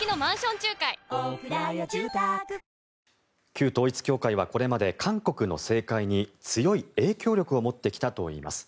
旧統一教会はこれまで韓国の政界に強い影響力を持ってきたといいます。